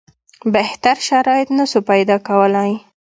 بهتر شرایط نه سو پیدا کولای.